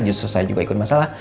justru saya juga ikut masalah